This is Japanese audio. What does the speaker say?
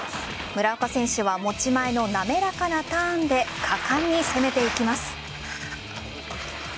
村岡選手は持ち前の滑らかなターンで果敢に攻めていきます。